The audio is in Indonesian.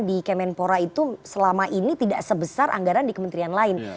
di kemenpora itu selama ini tidak sebesar anggaran di kementerian lain